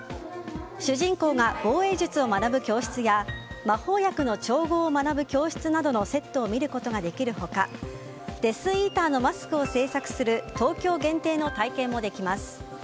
主人公が防衛術を学ぶ教室や魔法薬の調合を学ぶ教室などのセットを見ることができる他デスイーターのマスクを製作する東京限定の体験もできます。